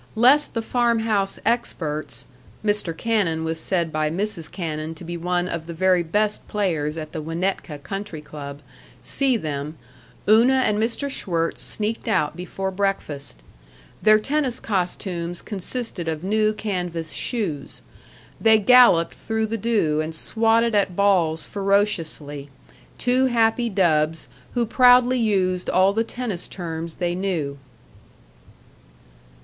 Lest the farm house experts (Mr. Cannon was said by Mrs. Cannon to be one of the very best players at the Winnetka Country Club) see them, Una and Mr. Schwirtz sneaked out before breakfast. Their tennis costumes consisted of new canvas shoes. They galloped through the dew and swatted at balls ferociously two happy dubs who proudly used all the tennis terms they knew.